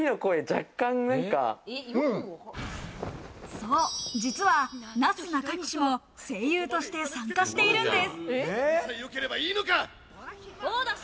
そう実は、なすなかにしも声優として参加しているんです。